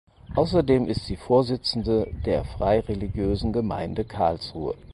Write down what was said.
Außerdem ist sie Vorsitzende der Freireligiösen Gemeinde Karlsruhe.